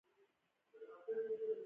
هغې وویل محبت یې د ګلونه په څېر ژور دی.